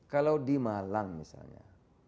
kalau di malang misalnya